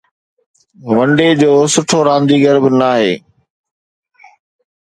one day جو سٺو رانديگر به ناهي